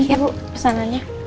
iya bu pesanannya